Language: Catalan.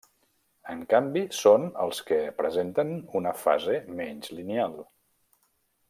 En canvi són els que presenten una fase menys lineal.